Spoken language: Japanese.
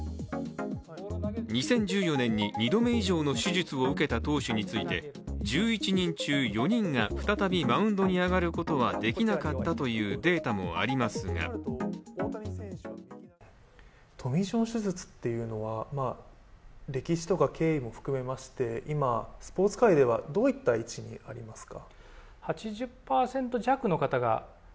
２０１４年に２度目以上の手術を受けた投手について１１人中４人が再びマウンドに上がることはできなかったというデータもありますがトミー・ジョン手術というのは今、スポーツ界ではどういった位置にいますか？